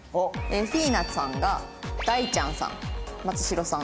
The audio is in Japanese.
フィーナさんが大ちゃんさん松代さん。